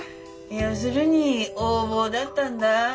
要するに横暴だったんだ。